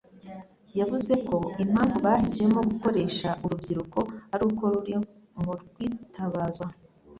yavuze ko impamvu bahisemo gukoresha urubyiruko ari uko ruri mu rwitabazwa